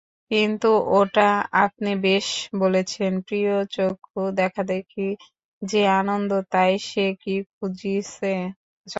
কিন্তু ওটা আপনি বেশ বলেছেন– প্রিয়চক্ষু-দেখাদেখি যে আনন্দ তাই সে কি খুঁজিছে চঞ্চল?